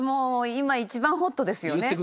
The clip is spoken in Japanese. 今一番ホットですよね。